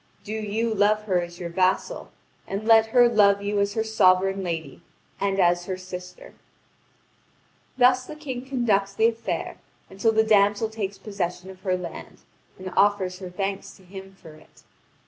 Do you love her as your vassal, and let her love you as her sovereign lady and as her sister." Thus the King conducts the affair until the damsel takes possession of her land, and offers her thanks to him for it.